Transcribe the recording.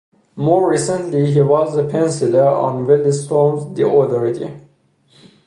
More recently he was the penciller on Wildstorm's "The Authority".